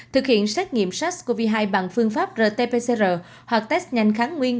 thực hiện xét nghiệm sars cov hai bằng phương pháp real time pcr hoặc test nhanh kháng nguyên